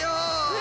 え